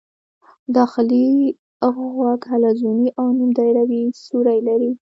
داخلي غوږ حلزوني او نیم دایروي سوري لري.